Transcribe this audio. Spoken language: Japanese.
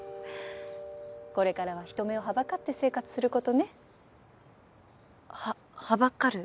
これからは人目をはばかって生活することね。ははばかる？